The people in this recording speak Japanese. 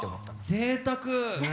ぜいたく！